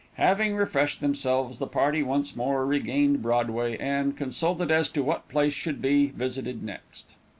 Having refreshed themselves, the party once more regained Broadway, and consulted as to what place should be visited next.